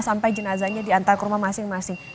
sampai jenazahnya diantar ke rumah masing masing